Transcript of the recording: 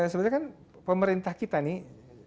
sebenarnya kan pemerintah kita nih